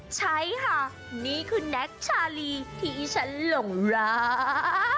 ใช่ค่ะนี่คือแน็กชาลีที่อีฉันหลงรัก